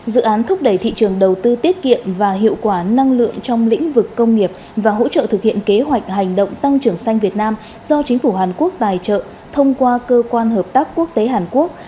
dự án thúc đẩy thị trường đầu tư tiết kiệm và hiệu quả năng lượng trong lĩnh vực công nghiệp và hỗ trợ thực hiện kế hoạch hành động tăng trưởng xanh việt nam do chính phủ hàn quốc tài trợ thông qua cơ quan hợp tác quốc tế hàn quốc